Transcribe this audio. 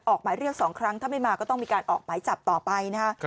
ออกหมายเรียก๒ครั้งถ้าไม่มาก็ต้องมีการออกหมายจับต่อไปนะฮะ